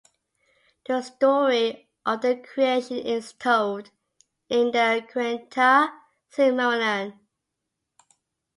The story of their creation is told in the "Quenta Silmarillion".